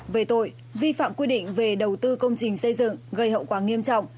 về tội vi phạm quy định về đầu tư công trình xây dựng gây hậu quả nghiêm trọng